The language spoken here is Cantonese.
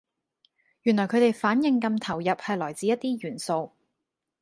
原來佢地反應咁投入係來自一啲元素